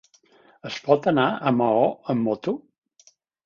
Es pot anar a Maó amb moto?